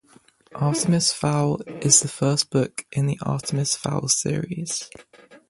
"Artemis Fowl" is the first book in the Artemis Fowl series.